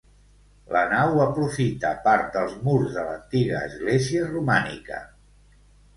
La nau aprofita part dels murs de l'antiga església romànica.